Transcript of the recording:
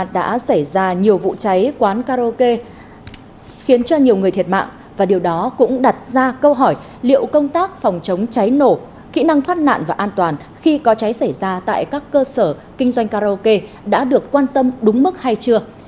đã xảy ra nhiều vụ cháy quán karaoke khiến cho nhiều người thiệt mạng và điều đó cũng đặt ra câu hỏi liệu công tác phòng chống cháy nổ kỹ năng thoát nạn và an toàn khi có cháy xảy ra tại các cơ sở kinh doanh karaoke đã được quan tâm đúng mức hay chưa